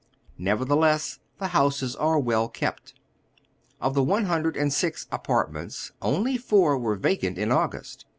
Nevertheless, the houses are well kept. Of the one hundred and six " apartments," only four were vacant in August.